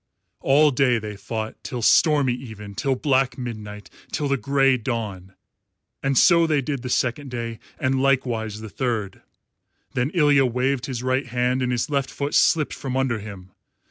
All day they fought, till stormy even, till black midnight, till the grey dawn, and so they did the second day, and likewise the third. Then Ilya waved his right hand, and his left foot slipped from under him.